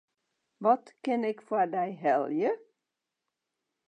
Wat kin ik foar dy helje?